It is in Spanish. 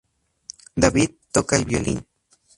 David toca el violín.